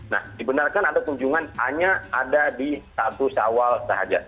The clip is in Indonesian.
nah dibenarkan ada kunjungan hanya ada di status awal sahaja